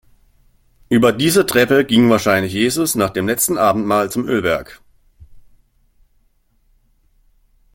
Über diese Treppe ging wahrscheinlich Jesus nach dem letzten Abendmahl zum Ölberg.